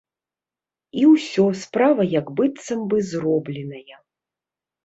І ўсё, справа як быццам бы зробленая.